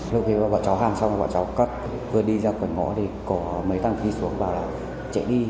lúc đó bọn cháu hàng xong bọn cháu cắt vừa đi ra khỏi ngõ thì có mấy thằng đi xuống bảo là chạy đi